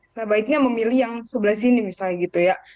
sebaiknya memilih yang sebelah sini misalnya gitu ya